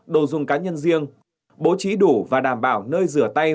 đồ dùng cá nhân riêng bố trí đủ và đảm bảo nơi rửa tay